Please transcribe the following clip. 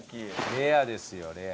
レアですよレア。